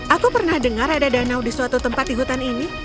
aku pernah dengar ada danau di suatu tempat di hutan ini